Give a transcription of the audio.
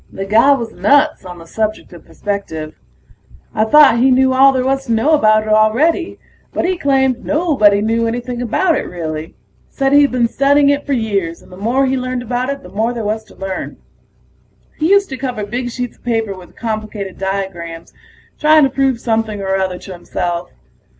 The guy was nuts on the subject of perspective. I thought he knew all there was to know about it already, but he claimed nobody knew anything about it, really. Said he'd been studying it for years, and the more he learned about it the more there was to learn. He used to cover big sheets of paper with complicated diagrams trying to prove something or other to himself.